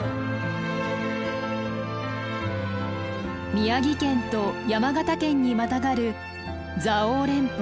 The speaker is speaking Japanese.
宮城県と山形県にまたがる蔵王連峰。